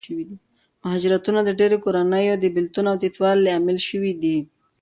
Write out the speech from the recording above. مهاجرتونه د ډېرو کورنیو د بېلتون او تیتوالي لامل شوي دي.